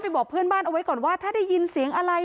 บอกเพื่อนบ้านเอาไว้ก่อนว่าถ้าได้ยินเสียงอะไร